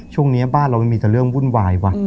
ช่วงนี้บ้านเราไม่มีแต่เรื่องวุ่นวายว่ะ